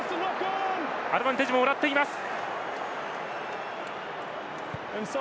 アドバンテージをもらっています。